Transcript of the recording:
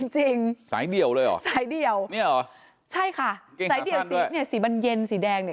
จริงใส่เดี่ยวเลยเหรอใส่เดี่ยวใช่ค่ะใส่เดี่ยวสีเนี่ยสีบันเย็นสีแดงเนี่ย